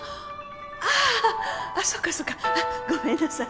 ああぁそっかそっかごめんなさい。